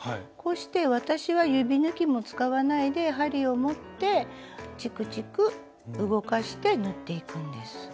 こうして私は指ぬきも使わないで針を持ってちくちく動かして縫っていくんです。